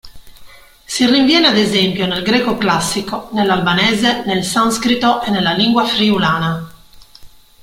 Si rinviene ad esempio nel greco classico, nell'albanese, nel sanscrito e nella lingua friulana.